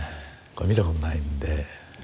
これ見たことないんで。